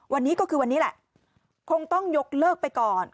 วันนี้ก็คือวันนี้แหละคงต้องยกเลิกไปก่อน